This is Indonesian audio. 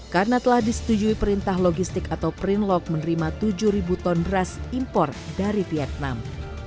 karena telah disetujui perintah logistik atau print log menerima tujuh ton beras impor dari vietnam